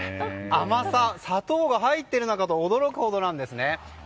甘さ、砂糖が入っているのかと驚くほどなんですね。